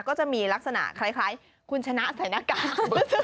ก็จะมีลักษณะคล้ายคุณชนะใส่หน้ากาก